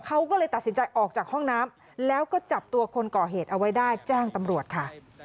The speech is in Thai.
เขาก็เลยตัดสินใจออกจากห้องน้ำแล้วก็จับตัวคนก่อเหตุเอาไว้ได้แจ้งตำรวจค่ะ